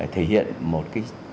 thể hiện một cái